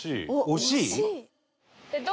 惜しい。